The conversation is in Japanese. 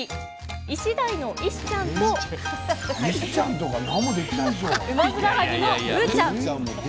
イシダイのイシちゃんとウマヅラハギのウーちゃん